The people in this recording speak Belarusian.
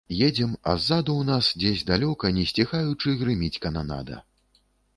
Едзем, а ззаду ў нас, дзесь далёка, не сціхаючы грыміць кананада.